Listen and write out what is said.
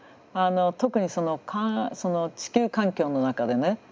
特にその地球環境の中でね